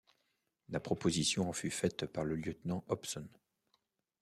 La proposition en fut faite par le lieutenant Hobson.